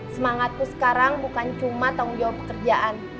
semangatku sekarang bukan cuma tanggung jawab pekerjaan